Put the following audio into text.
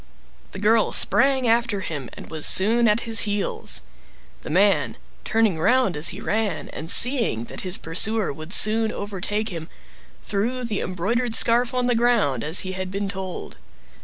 The girl sprang after him, and was soon at his heels. The man, turning round as he ran, and seeing that his pursuer would soon overtake him, threw the embroidered scarf on the ground, as he had been told.